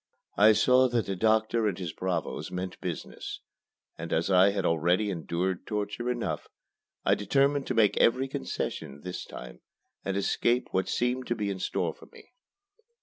I saw that the doctor and his bravos meant business; and as I had already endured torture enough, I determined to make every concession this time and escape what seemed to be in store for me.